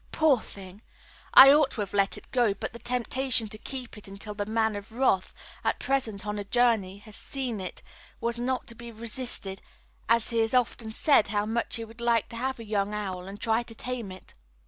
Poor thing! I ought to have let it go, but the temptation to keep it until the Man of Wrath, at present on a journey, has seen it was not to be resisted, as he has often said how much he would like to have a young owl and try and tame it.